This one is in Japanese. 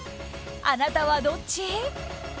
あなたはどっち？